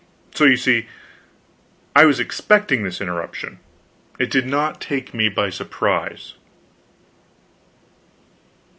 So you see I was expecting this interruption; it did not take me by surprise.